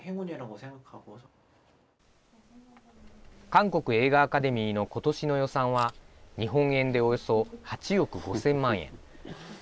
韓国映画アカデミーのことしの予算は、日本円でおよそ８億５０００万円。